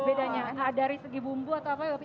bedanya dari segi bumbu atau apa yopi